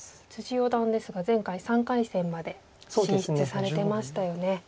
四段ですが前回３回戦まで進出されてましたよね。